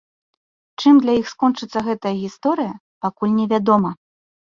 Чым для іх скончыцца гэтая гісторыя, пакуль невядома.